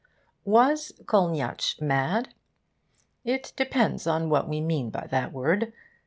Was Kolniyatsch mad? It depends on what we mean by that word.